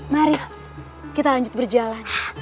mari kita lanjut berjalan